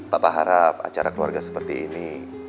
bapak harap acara keluarga seperti ini